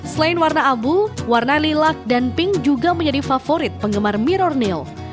selain warna abu warna lilak dan pink juga menjadi favorit penggemar mirror neil